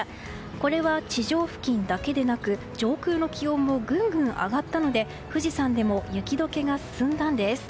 これは地上付近だけでなく上空の気温もぐんぐん上がったので富士山でも雪解けが進んだんです。